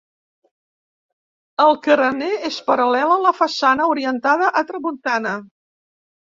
El carener és paral·lel a la façana, orientada a tramuntana.